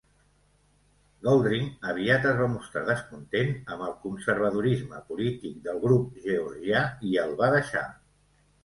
Goldring aviat es va mostrar descontent amb el conservadorisme polític del Grup Georgià, i el va deixar.